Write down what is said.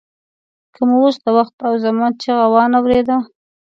که مو اوس د وخت او زمان چیغه وانه ورېده.